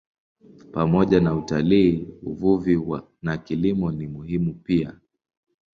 Pamoja na utalii, uvuvi na kilimo ni muhimu pia.